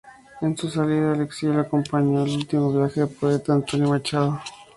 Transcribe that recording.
En su salida al exilio acompañó el último viaje del poeta Antonio Machado.